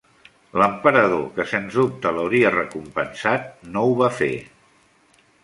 L'emperador que sens dubte l'hauria recompensat, no ho va fer.